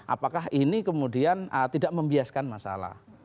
apakah ini kemudian tidak membiaskan masalah